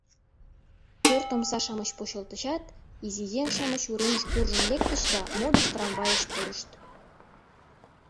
Пӧрт омса-шамыч почылтычат, изи еҥ-шамыч уремыш куржын лектыч да модыш трамвайыш пурышт.